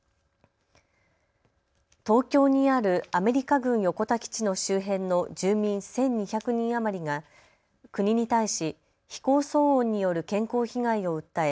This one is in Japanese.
東京にあるアメリカ軍横田基地の周辺の住民１２００人余りが国に対し飛行騒音による健康被害を訴え